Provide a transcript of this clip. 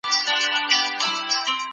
په پښتو کي د غني خان فلسفه ډېره ژوره ده